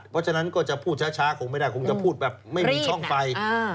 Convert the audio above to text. เพราะฉะนั้นก็จะพูดช้าคงไม่ได้คงจะพูดแบบไม่มีช่องไป